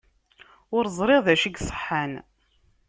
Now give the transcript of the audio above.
Ur ẓriɣ d acu iṣeḥḥan.